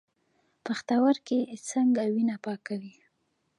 پښتورګي څنګه وینه پاکوي؟